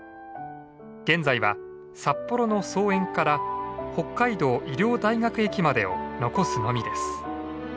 現在は札幌の桑園から北海道医療大学駅までを残すのみです。